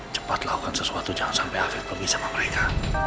cepat lakukan sesuatu jangan sampai alves pergi sama mereka